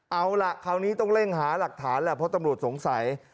เอาล่ะคราวนี้ต้องเร่งหาหลักฐานแหละเพราะตำรวจสงสัย